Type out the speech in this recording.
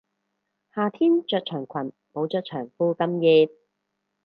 夏天着長裙冇着長褲咁熱